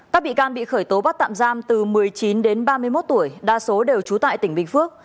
các bị can bị khởi tố bắt tạm giam từ một mươi chín đến ba mươi một tuổi đa số đều trú tại tỉnh bình phước